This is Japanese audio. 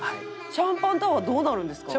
シャンパンタワーどうなるんですか？